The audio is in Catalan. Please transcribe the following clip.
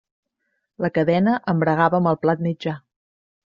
La cadena embragava amb el plat mitjà.